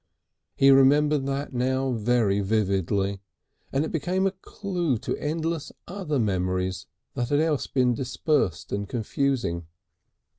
He remembered that now very vividly, and it became a clue to endless other memories that had else been dispersed and confusing.